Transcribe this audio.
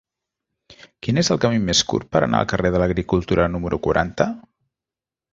Quin és el camí més curt per anar al carrer de l'Agricultura número quaranta?